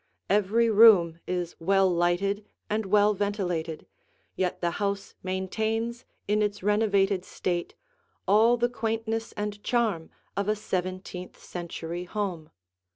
Every room is well lighted and well ventilated, yet the house maintains in its renovated state all the quaintness and charm of a seventeenth century home.